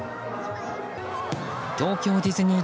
東京ディズニー